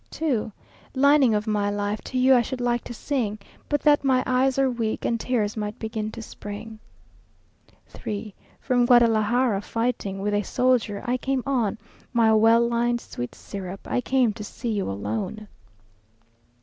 2. Lining of my life! To you I should like to sing; But that my eyes are weak, And tears might begin to spring. 3. From Guadalajara fighting, With a soldier I came on, My well lined sweet syrup! I came to see you alone.